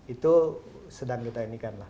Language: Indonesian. itu sedang ditanyikan